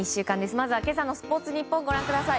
まずは今朝のスポーツニッポンご覧ください。